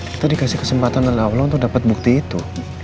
kita dikasih kesempatan oleh allah untuk dapat bukti itu